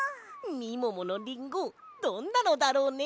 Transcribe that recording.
みもものリンゴどんなのだろうね？